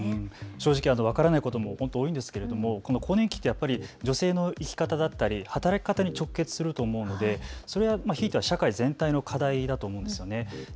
正直分からないことも多いんですけれども更年期ってやっぱり女性の生き方だったり働き方に直結すると思うのでそれはひいては社会全体の課題だと思うんですよね。